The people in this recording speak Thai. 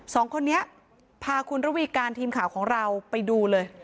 สองคนนี้พาคุณระวีการทีมข่าวของเราไปดูเลย